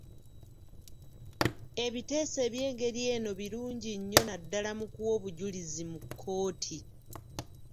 Ebiteeso eby'engeri eno birungi nnyo naddala mu kuwa obujulizi mu kkooti.